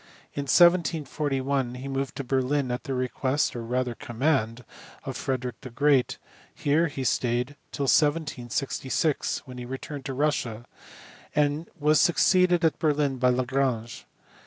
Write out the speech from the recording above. In 1741 he moved to Berlin at the request, or rather command, of Frederick the Great ; here he stayed till 1766, when he returned to Russia, and was succeeded at Berlin by Lagrange.